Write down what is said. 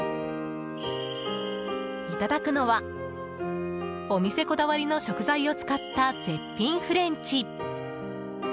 いただくのは、お店こだわりの食材を使った絶品フレンチ。